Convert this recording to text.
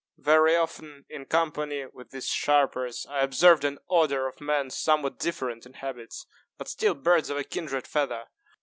Very often, in company with these sharpers, I observed an order of men somewhat different in habits, but still birds of a kindred feather.